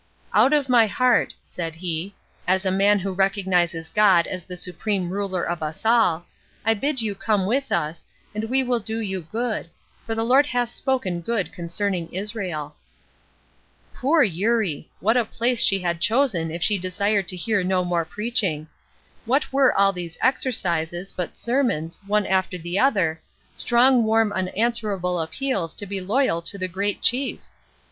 "Out of my heart," said he: "as a man who recognizes God as the supreme ruler of us all, I bid you come with us, and we will do you good, for the Lord hath spoken good concerning Israel." Poor Eurie! What a place she had chosen if she desired to hear no more preaching. What were all these exercises, but sermons, one after the other, strong warm unanswerable appeals to be loyal to the Great Chief?